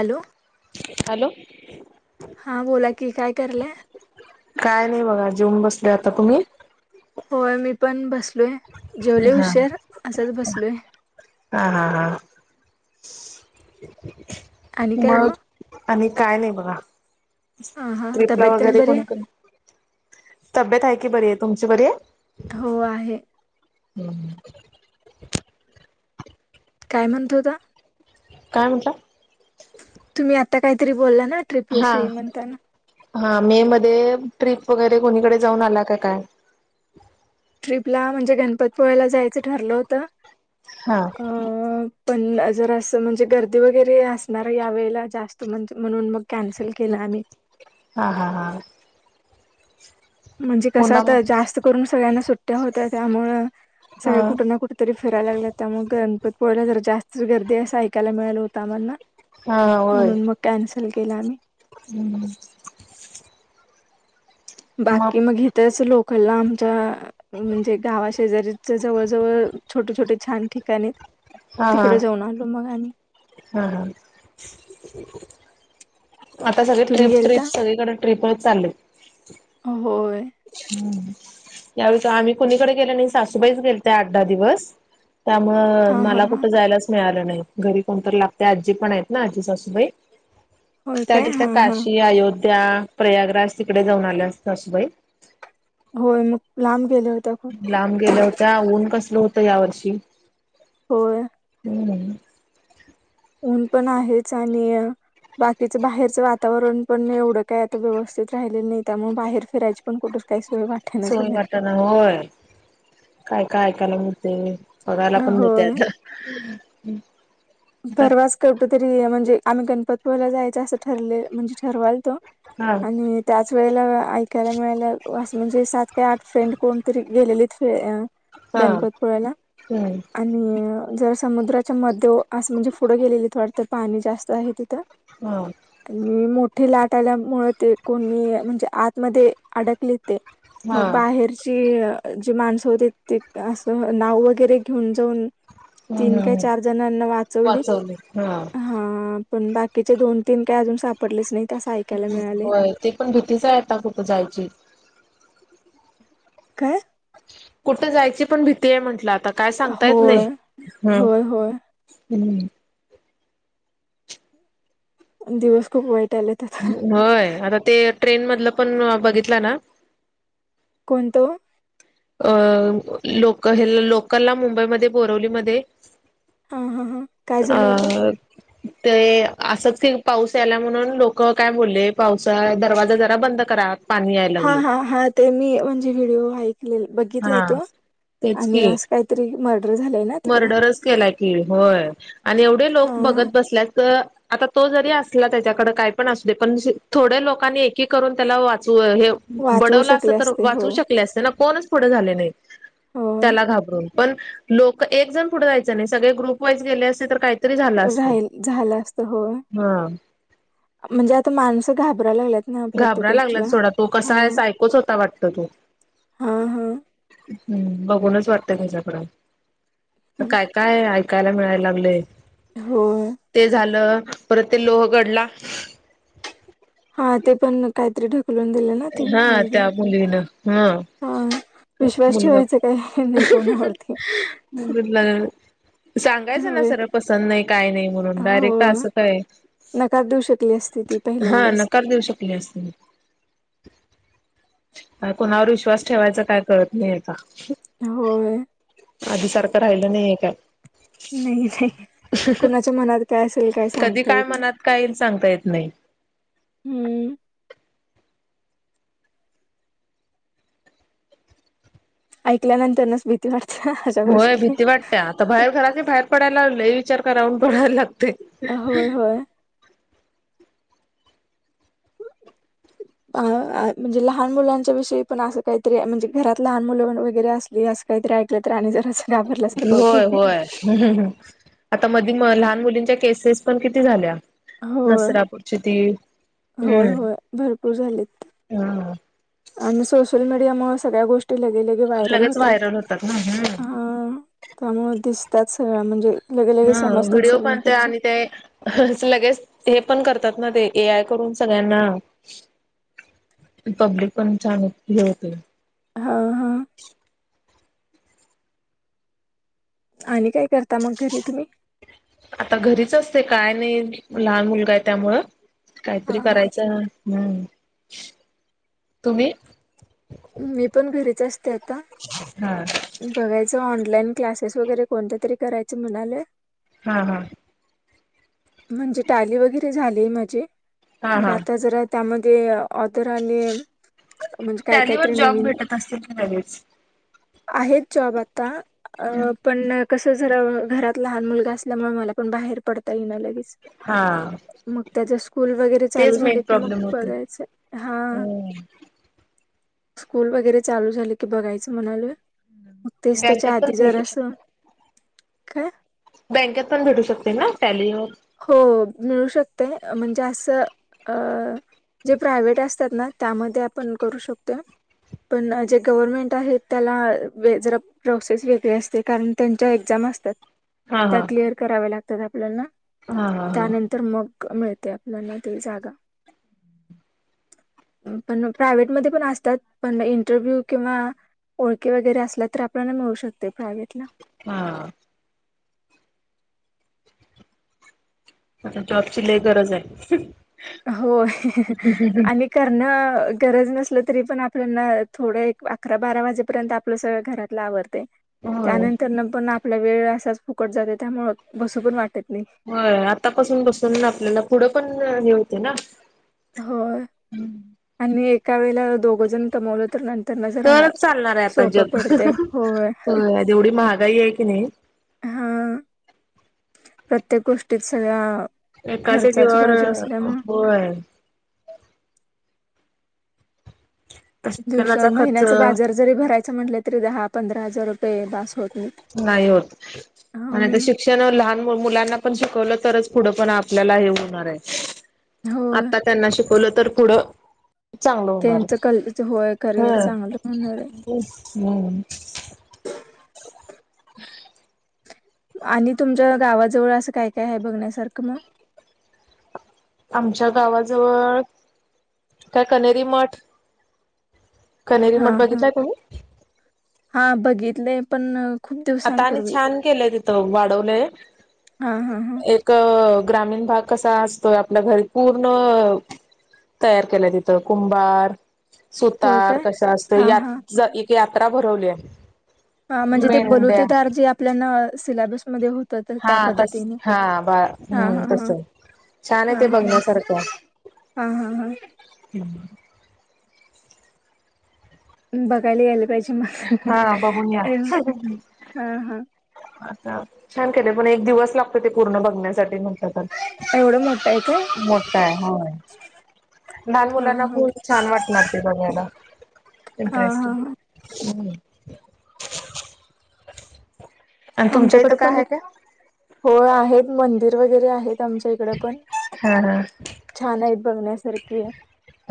Hello. Hello. हा बोला की काय करलंय? काय नाही बघा जेऊन बसले आता तुम्ही? होय मी पण बसलोय जेवले हा. उशीर असंच बसलोय. हा हा हा आणि म काय मग आणि काय नाही बघा ह हा ट्रिपला तब्येत तेन वगैरे बरी कोणी आहे करू. तब्येत आहे की बरी आहे तुमची बरी आहे. हो आहे. हम्म. काय म्हणतोता. काय म्हटलं? तुम्ही आता काहीतरी बोलला ना हा ट्र्रीपविषयी म्हणताना हा मे मध्ये ट्रिप वगैरे कोणीकडे जाऊन आला का काय? ट्र्रीपला म्हणजे गणपतपुळ्याला जायचं ठरलं होतं. हा. अ पण जर असं म्हणजे गर्दी वगैरे असणार या वेळेला जास्त म्हणजे म्हणून मग कॅन्सल केला आम्ही हा हा हा. म्हणजे कसं पुन्हा आता जास्त करून सगळ्यांना सुट्ट्या होत्या त्यामु हा सगळ्या कुठे ना कुठे? तरी फियला लागलं त्यामुळेग गणपतपोळ्याला ज जास्तच गर्दी असं ऐकायला मिळाल होता आम्हाला हा म्हणून मग कॅन्सल केला म्ही हम्म. बाकी मग इथच लोकलला आमच्या म्हणजे गावा शेजारीच्या जवळजवळ छोटे छोटे छान ठिकाणी तिकडे जाऊन आलो मग आम्ही हम् ह आता सगळी तुम्ही ट्रिप ट्रिप गेलता सगळीकडे ट्रिप चालल होय ह यावे आम्ही कोणीकडे गेलो नाही सासूबाईच गेलत आठ दहा दिवस त्यामु हा हा मला हा कुठं जायलाच मिळालं नाही घरी कोणतरी लागते आजी पण आहेत ना आजी सासूबाई होय त्या काय ठ हा हा काशी अयोध्या प्रयागराज तिकडे जाऊन आले असत असबाई होय मग लांब गेले होते खूप लांब गेल्या होत्या ऊन कसलं होतं या वर्षी होय हम् ऊन पण आहेच आणि बाकीचं बाहेरचं वातावरण पण एवढं काय आता व्यवस्थित राहिलं नाही त्यामुळे बाहेर फिरायची पण कुठं काही सोय वाटे न सोय झाल्या वाटना होय काय काय ऐकायला मिते बघायला पण भेटतय होय त्याता पररवाच कुठ तरी म्हणजे आम्ही गणपतपुरला जायच असं ठरले म्हणजे ठरवाल तो हा आणि त्याच वेळेला ऐकायला मिळालं अस म्हणजे सात का आठ फ्रेंड कोणतरी गेलेलीत हा गणपतपुळ्याला हम्म आणि जर समुद्राच्या मध्य असं म्हणजे पुढं गेलेली थोडंत पाणी जास्त आहे तिथं हम आणि मोठी लाट आल्यामुळे ते कोणी म्हणजे आतमध्ये अडकले ते हा मग बाहेरची जी माणसं होते ते असं नाव वगैरे घेऊन जाऊन तीन काय चार जणांना वाच वाचवली हा हा पण बाकीचे दोन तीन काय अजून सापडलेच नाहीत असं ऐकायला मिळाले. होय ते पण भीतीच आहे आता कुठ जायची काय कुठे जायची पण भीती आहे म्हंटलं आता काय सांगता येत होय नाही ह होय होय हम्म दिवस खूप वाईट आले होय आता ते ट्रेन मधलं पण बघितला ना कोणतो अ लोक लोकलला मुंबईमध्ये बोरवलीमध्ये हा हा हा काय झालं होता अ ते असंच ते पाऊस यायला म्हणून लोक काय बोलले पावसा दरवाजा जरा बंद करा पाणी यायला हा लागले हा हा ते मी म्हणजे व्हिडिओ ऐकले बघितला आहे हा तो तेच आणि की काहीतरी मर्डर झालंय ना तिकडं मर्डरच केलाय की होय आणि एवढे हा लोक हा बघत बसल्यात आता तो जरी असला त्याच्याकडे काय पण अस दे पण थोड्या लोकांनी एकी करून त्याला वाचव हे वाचवू बडवला अस शकले तर असते वाचवू होय शकले असते ना कोण झा नाही होय त्या घा पण लोक एक जण पुढे जायचं नाही सगळे ग्रुप वाईज गेले असते तर काय राहिल झालं असत होय हा म्हणजे आता माणसं घाबराला लागल्यात ना प्रत्येक घाबरा लागला गोष्टीला थोडा तो कसा हा आहे ऐकोच होता वाटत तो हा हा हम्म बघूनच वाटतय माझ्याकड काय काय ऐकायला मिळायला लागलेय हो ते झालं परत ते लोहगडला हा ते पण काहीतरी ढकलवून दिलं ना हा त्या बली ना हा ह विश्वास मुलगा ठेवायचा काही नाही कोणावरती कुठलं सांगायचं ना होय सर पसंत नाही काय नाही म्हणून हो डायरेक्ट असं काय नकार देऊ शकली असती ती हा पहिल्यांदाच नकार देऊ शकली असते कुणावर विश्वास ठेवायचा काय कळत नाही आता होय आधी सारखं राहिलं नाहीये का नाही नाही कुणाच्या मनात काय असेल काय कधी सांगता काय येत नाही मनात काय येईल सांगता येत नाही हम् ऐकल्यानंतर नच भीती वाटते होय गोष्टी भीती वाटते्या आता बाहेर घराची बाहेर पडाय लाग विचार कराऊून पडायला लाग ते होय होय म्हणजे लहान मुलांच्या विषयी पण असं काहीतरी म्हणजे घरात लहान मुलं वगैरे असली अस काहीतरी ऐकलं तर राणी जराच घाबरल्यासारखं होत ह आता मध म लहान मुलींच्या केसेस पण किती झाल्या होय, नसरापूरची ती हम्म होय, होय भरपूर झालेत. हम आणि सोशल मीडियामुळे सगळ्या गोष्टी लगे लगे हा व्हायरल लगेच होतात व्हायरल होतात ना हम्म अ त्यामुळे दिसतात सगळं म्हणजे लगे लगे हा समजतात व्हिडिओ पानतय सगळीकडच्या. आणि ते लगेच हे पण करतात ना ते ए आय करून सगळ्यांना पब्लिक पण चांग घ होते हां हां आणि काय करता मग घरी तुम्ही आता घरीच असते काय नाही लहान मुलगा आहे त्यामुळ काहीतरी हां हां करायचं हम् तुम्ही मी पण घरीच असते आता हा बघायचं ऑनलाईन क्लासेस वगैरे कोणत्या तरी करायचे म्हणाले हा हा म्हणजे टाली वगैरे झाली माझे हा मग हा आता जरा त्यामध्ये आदराने त्याॅलीवर जॉब भेटत असतील ना लगच आहेत जॉब आता अ पण कसं जरा घरात लहान मुलगा असल्यामुळे मला पण बाहेर पडता येई ना लगेच हा मग त्याच्या स्कूल वगैरे चालू तेच मेन झाले की मग बघायचं हा हम् स्कूल वगैरे चालू झाले की बघायचं म्हणाले ग तेच बँकेत त्याच्या पण आधी जर भेटू अस शकते काय बँकेत पण भेटू शकते ना फॅली हो मिळू शकते म्हणजे असं अ जे प्रायव्हेट असतात ना त्यामध्ये आपण करू शकतो पण जे गव्हर्नमेंट आहेत त्याला जरा प्रोसेस वेगळे असते कारण त्यांच्या एक्झाम असतात हा त्या हा क्लिअर कराव्या लागतात आपल्याला हा हा त्यानंतर मग मिळते आपल्याला ते जागा [unintelligible] पण प्रायव्हेटमध्येध्ये पण असतात पण इंटरव्ह्यू किंवा ओळखी वगैरे असल्या तर आपल्याला मिळू शकते प्रायव्हेट ला हा आता जॉबची ल गरज आहे होय आणि करणं गरज नसल तरी पण आपल्याना थोडं अकरा बारा वाजेपर्यंत आपलं सगळं घरातला आवडते होय. त्यानंतर न पण आपला वेळ असाच फुकट जाते त्यामुळं बसू पण वाटत नाही हो आतापसून बसून आपल्याला पुढं पण नेवते ना हो आणि एका वेळेला दोघजण कमवलं तर नंतर ना जरा तरच चालणार आहे आता सोपं जग पडते होय होय जेवढी महागाई आहे की नाही हा प्रत्येक गोष्टीत सगळ्या एकाच्या खर्चाची जीवावर बाजू असल्यामुळे होय दिवस शिक्षणाचा खर्च महिन्याचा बाजार जरी भरायच म्हटलं तरी दहा पंधरा हजार रुपये बास होत म नाही होत आणि त शिक शिक्षण लहान मुलांना पण शिकवलं तरच पुढं पण आपल्याला हे होणार आहे होय आता त्यांना शिकवलं तर पुढं चांगलं होणार त्यांचं कल होय करिअर हम चांगलं होणार आहे हम्म [unintelligible] आणि तुमच्या गावाजवळ असं काय काय आहे बघण्यासारखं मग आमच्या गावाजवळ काय कनेरी मठ कनेरी मठ हा हा बघितलाय तुम्ही हा बघितले पण खूप आता आणि दिवसांपूर्वी छान केलंय तिथं वाढवलंय हा हां हां अ ग्रामीण भाग कसा असतोय आपल्या घरी पूर्ण तयार केल्या तिथं कुंभार होय सुतार काय कशा असत हा हा एक यात्रा भरवली आहे हा म्हणजे ते बोल ते मेंढ्या तरार जे आपल्यान सिलेबसमध्ये होत तर त्या हा तस पद्धतीने हा बा हा हम्म हा तस हां छान आहे ते बघण्यासारखं हा हा हा हम्म बघायला गेयला पाहिजे हा बघून या मला हा हा आ छान केले पण एक दिवस लागतो ते पूर्ण बघण्यासाठी म्हटलं तर होयो मोठा आहे हो लहान हा मुलांना हा खूप छान वाटणार ते बघायला हा हा इंटरेस्टिंग हा हम् आणि तुमच्या आमच्याकडे इथं काय पण आहे एक का हो आहेत मंदिर वगैरे आहेत आमच्या इकड पण हा छान आहेत बघण्यासारखे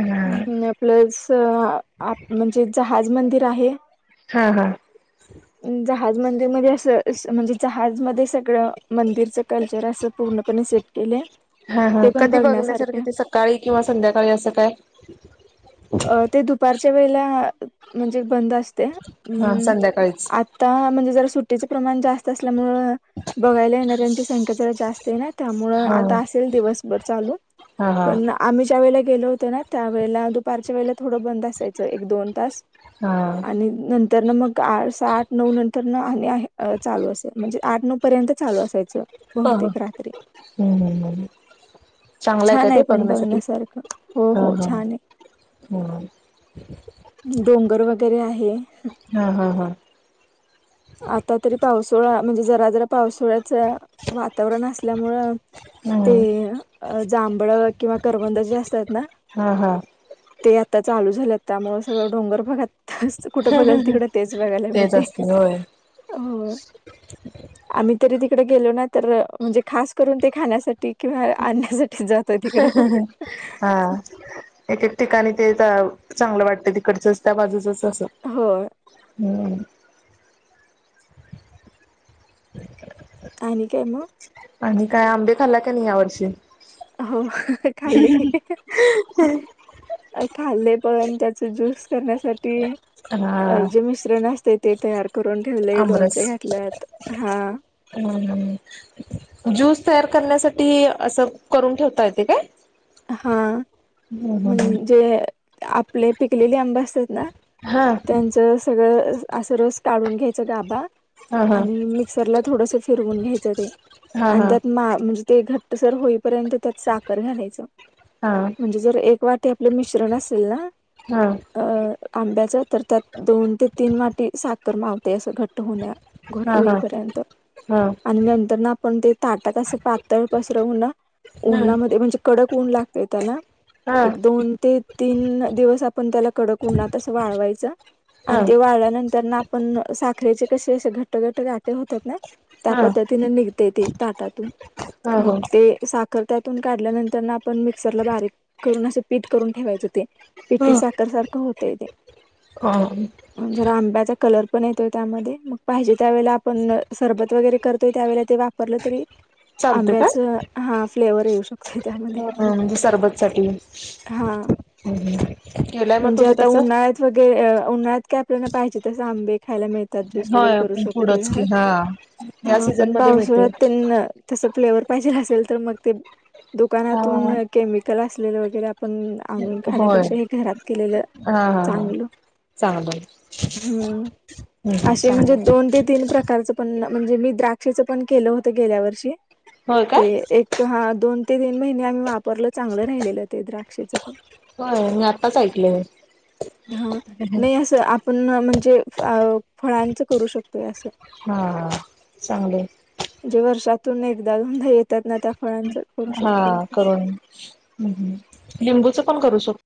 हा हा प्लस म्हणजे जहाज मंदिर आहे हा हा जहाज मंदिरमध्येध्ये असं म्हणजे जहाजमध्ये सगळं मंदिरचं कल्चर असं पूर्णपणे सेट केलं हा हा कधी बघण्यासारखी ती सकाळी किंवा संध्याकाळी असं काय अ ते दुपारच्या वेला म्हणजे बंद असते अ हा संध्याकाळीच. आ आता म्हणजे जर सुट्टीचं प्रमाण जास्त असल्यामु बघायला येणाऱ्यांची संख्या जरा जास्त नाही त्यामु आता असेल दिवसभर चालू हा हा पण आम्ही ज्या वेला गेलो होत ना त्या वेळेला दुपारच्या वेळेला थोडं बंद असायचं एक दोन तास हा आणि नंतर ना मग आठ साठ नऊ नंतर ना आ आहे चालू असेल म्हणजे आठ नऊ पर्यंत चालू असायचं हा हा बहुतेक रात्री हम्म हम् चांगलाय काय छान ते आहे पण बघण्यासाठी बघण्यासारखं हो हा हो हा छान आहे ह डोंगर वगैरे आहे हा हा हा आता तरी पावसाोळा म्हणजे जरा जरा पावसाोळ्याच वातावरण असल्यामुं हम्म ते जांभळ किंवा करबंद जे असतात ना हा हा ते आता चालू झाले त्यामुळे सगळं डोंगर बघत कुठंबघल तिकडं तेच बघायला तेच मिळते असतील होय. अ आम्ही तरी तिकडे गेलो ना तर म्हणजे खास करून ते खाण्यासाठी किंवा आणण्यासाठी जात हा एक एक ठिकाणी ते चांगलं वाटतं तिकडचंच त्या बाजूचंच असं हो हम्म आणिन का आहेम आणि काय आंबे खाल्ला का नाही या वर्षी हो खाली खाल्ले पण त्याचे ज्यूस करण्यासाठी अ हा जे मिश्रण ते ते तयार करून ठेवले आमरस. लोणचे घातल्यात हा ज्यूस तयार करण्यासाठी असं करून ठेवता येते काय हा हम्म हम्म हम्म. म्हणजे आपले पिकलेले आंब असतात ना हा त्यांच सगळं असं रस काढून घ्यायचं गाबा हा हा आणि मिक्सरला थोडस फिरवून घ्यायचं ते हा आणि हा त्यात मा म्हणजे ते घट्टसर होईपर्यंत त्यात साखर घालायचं हां म्हणजे जर एक वाटी आपले मिश्रण असेल ना हम अ आंब्याच तर त्यात दोन ते तीन वाटी साखर मावते असं घट्ट होण्या हा घट हा होईपर्यंत हा आणि नंतर ना आपण ते ताटातसं पातळ पसरवू ना हम्म उन्हामध्ये म्हणजे कडक उऊन लागते त्याला हा एक दोन ते तीन दिवस आपण त्याला कडक उना तस वाळवायचं आणि हा ते वाळल्यानंतर ना पण साखरेचे कसे असे घट्ट घट्ट गाटे होतात ना त्या हा पद्धतीने निघते ते ताटातून हा मग हो ते साखर त्यातून काढल्यानंतर ना पण मिक्सरला बारीक करून असे पीठ करून ठेवायचं ते पिटी ह साखर सारखं होतय ते ह जरा आंब्याचा कलर पण येतोय त्यामध्ये मग पाहिजे त्यावेळेला आपण सरबत वगैरे करतोय त्यावेळेला ते वाप वापरलं तरी चालते का आंब्याच हा फ्लेवर येऊ शकतो. ह म्हणजे सरबत साठी हां ह म्हणजे आता उन्हाळयात वगैर उन्हाळ्यात काय आपल्याला पाहिजे तसं आंबे खायला मिळत. त्यात ज्यूस वगैरे होय करू शकतो पुढंच की घरात हा या अ सीझन पण मध्ये मिळते पावसाळ्यात त्यां तस फ्लेवर पाहिजेल असेल तर मग ते दुकानातून केमिकल असलेलं वगैरे पण आणून होय खाण्यापेक्षा घरात केलेलं हा हा हा चांगलं चांगलं हम् हम् असे म्हणजे चांगलं दोन ते तीन तीन प्रकारच पण म्हणजे मी द्राक्षच पण केलं होत गेल्या वर्षी होय ते काय एक हा दोन ते तीन महिने आम्ही वापरलं चांगलं राहिलेलं ते द्राक्षेचं पण हो मी आताच ऐकले हे हा नाही असं आपण म्हणजे फळांचं करू शकतोय असं हा चांगले ण जे वर्षातून एकदा दोनदा येतात ना त्या फळांचं हा करून लिंबूच पण करू शकतो